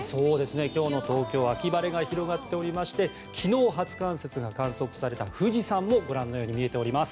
今日の東京秋晴れが広がっておりまして昨日、初冠雪が観測された富士山もご覧のように見えております。